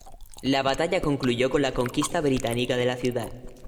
La batalla concluyó con la conquista británica de la ciudad.